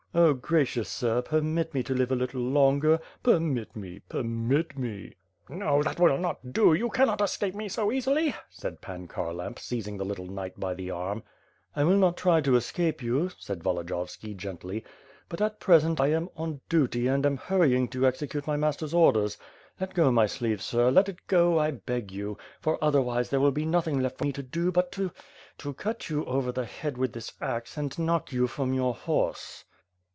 "Oh, gracious sir, permit me to live a little longer — ^permit me — permit me." ^^^ WITH FIRE AND SWORD, Xo, that will not do, you cannot escape me go easily/' said Pan Kharlamp seizing the little knight by the arm. "I will try not to escape you," said VolodiyovsJa, gently; *^ut, at present, I am on duty and am hurrying to execute my master's orders. Let go my sleeve, sir, let it go, I beg you; for otherwise there will be nothing left for me to do but to — to cut you over the head with this axe and knock you from your horse."